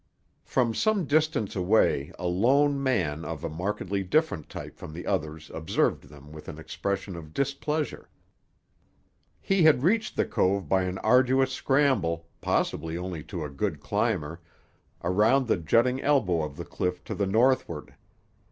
From some distance away a lone man of a markedly different type from the others observed them with an expression of displeasure. He had reached the cove by an arduous scramble, possible only to a good climber, around the jutting elbow of the cliff to the northward.